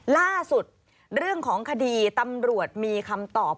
ล่าสุดเรื่องของคดีตำรวจมีคำตอบ